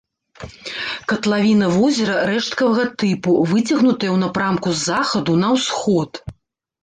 Катлавіна возера рэшткавага тыпу, выцягнутая ў напрамку з захаду на ўсход.